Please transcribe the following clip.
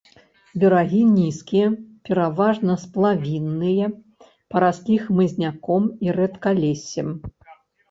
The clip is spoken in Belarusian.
Берагі нізкія, пераважна сплавінныя, параслі хмызняком і рэдкалессем.